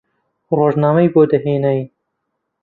ڕۆژنامەی بۆ دەهێناین